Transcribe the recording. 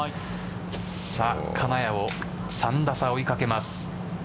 金谷を３打差で追い掛けます。